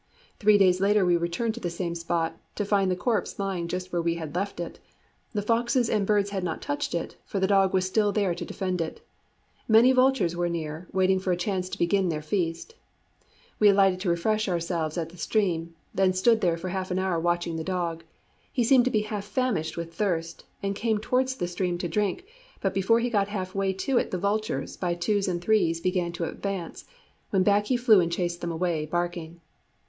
"Three days later we returned to the same spot, to find the corpse lying just where we had left it. The foxes and birds had not touched it, for the dog was still there to defend it. Many vultures were near, waiting for a chance to begin their feast. We alighted to refresh ourselves at the stream, then stood there for half an hour watching the dog. He seemed to be half famished with thirst, and came towards the stream to drink; but before he got half way to it the vultures, by twos and threes, began to advance, when back he flew and chased them away, barking.